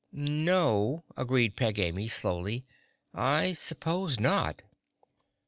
"No," agreed Peg Amy slowly, "I s'pose not!"